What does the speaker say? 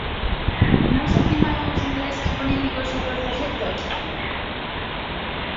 Non se primaron os intereses políticos sobre os do sector?